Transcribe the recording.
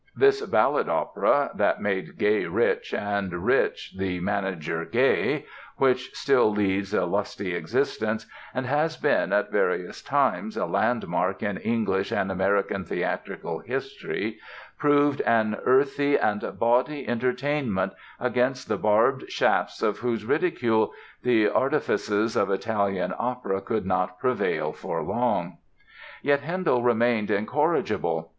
This "ballad opera", that "made Gay rich and Rich, the manager, gay", which still leads a lusty existence, and has been at various times a landmark in English and American theatrical history, proved an earthy and bawdy entertainment, against the barbed shafts of whose ridicule the artifices of Italian opera could not prevail for long. Yet Handel remained incorrigible.